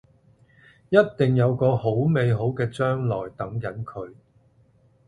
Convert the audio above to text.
一定有個好美好嘅將來等緊佢